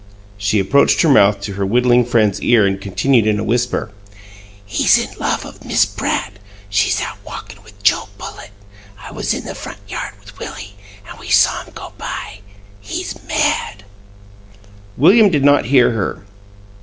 She approached her mouth to her whittling friend's ear and continued in a whisper: "He's in love of Miss Pratt. She's out walkin' with Joe Bullitt. I was in the front yard with Willie, an' we saw 'em go by. He's mad." William did not hear her.